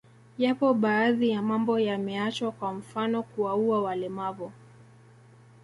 Yapo baadhi ya mambo yameachwa kwa mfano kuwaua walemavu